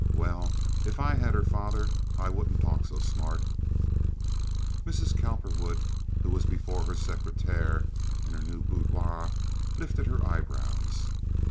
Well, if I had her father I wouldn't talk so smart." Mrs. Cowperwood, who was before her secretaire in her new boudoir, lifted her eyebrows.